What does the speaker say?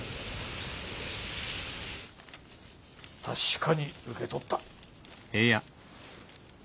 確かに受け取った。